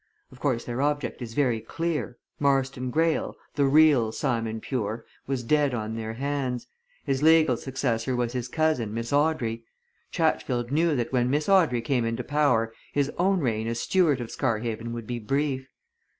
Of course, their object is very clear, Marston Greyle, the real Simon Pure, was dead on their hands. His legal successor was his cousin, Miss Audrey. Chatfield knew that when Miss Audrey came into power his own reign as steward of Scarhaven would be brief.